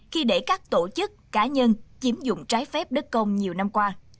khi để các tổ chức cá nhân chiếm dụng trái phép đất công nhiều năm qua